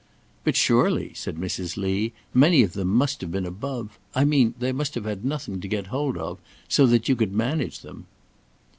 "But surely," said Mrs. Lee, "many of them must have been above I mean, they must have had nothing to get hold of; so that you could manage them."